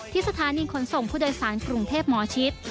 สถานีขนส่งผู้โดยสารกรุงเทพหมอชิด